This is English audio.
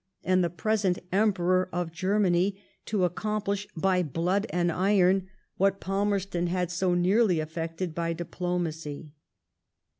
and the present Emperor of Germany to accomplish by blood and iron what Falmerston had so nearly effected by diplomacy.